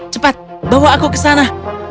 cepat bawa aku ke sana